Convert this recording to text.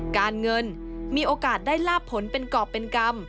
การเงินมีโอกาสได้ลาบผลเป็นกรอบเป็นกรรม